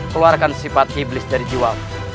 keluarkan sifat iblis dari jiwa